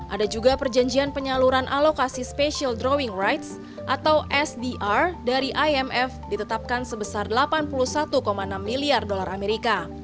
ada juga perjanjian penyaluran alokasi special drawing rights atau sdr dari imf ditetapkan sebesar delapan puluh satu enam miliar dolar amerika